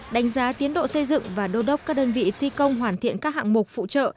đánh giá tiến độ xây dựng và đô đốc các đơn vị thi công hoàn thiện các hạng mục phụ trợ